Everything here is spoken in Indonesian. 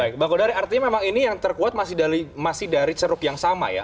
baik baik maka artinya ini yang terkuat masih dari ceruk yang sama ya